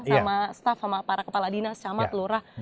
sama staff sama para kepala dinas sama telurah